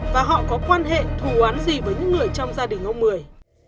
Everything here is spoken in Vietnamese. và họ có quan hệ thù án gì với những người trong gia đình ông mười